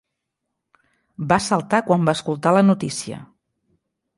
Va saltar quan va escoltar la notícia.